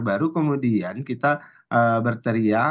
baru kemudian kita berteriak